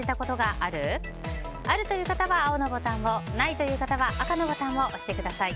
あるという方は青のボタンをないという方は赤のボタンを押してください。